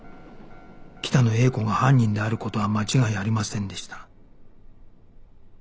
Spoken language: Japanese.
北野英子が犯人である事は間違いありませんでした